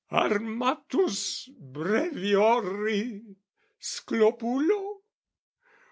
Armatus breviori sclopulo?